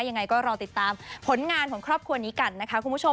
ยังไงก็รอติดตามผลงานของครอบครัวนี้กันนะคะคุณผู้ชม